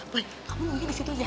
boy kamu nunggu di situ aja